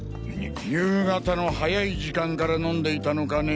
夕方の早い時間から飲んでいたのかね？